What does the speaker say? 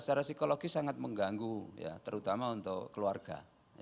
secara psikologis sangat mengganggu ya terutama untuk keluarga